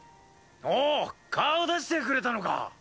おおっ顔出してくれたのか。